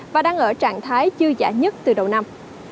và đang ở trạng thái dư giã nhất từ đầu năm